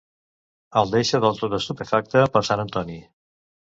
El deixà del tot estupefacte per sant Antoni.